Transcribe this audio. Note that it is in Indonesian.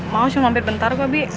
mau cuma ambil bentar kok bi